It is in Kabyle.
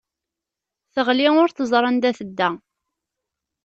Teɣli ur teẓri anda i tedda.